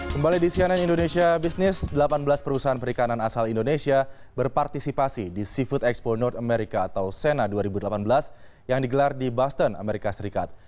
kembali di cnn indonesia business delapan belas perusahaan perikanan asal indonesia berpartisipasi di seafood expo note america atau sena dua ribu delapan belas yang digelar di boston amerika serikat